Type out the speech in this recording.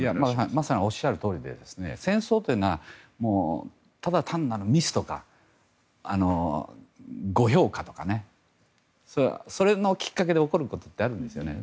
まさにおっしゃるとおりで戦争というのはただ単にミスとか誤評価とか、それのきっかけで起こることってあるんですね。